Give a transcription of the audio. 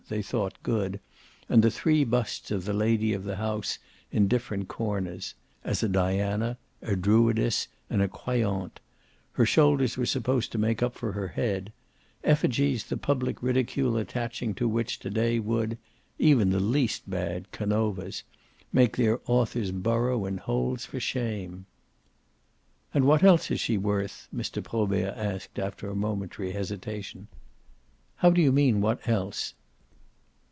they thought good, and the three busts of the lady of the house in different corners (as a Diana, a Druidess and a Croyante: her shoulders were supposed to make up for her head), effigies the public ridicule attaching to which to day would even the least bad, Canova's make their authors burrow in holes for shame. "And what else is she worth?" Mr. Probert asked after a momentary hesitation. "How do you mean, what else?"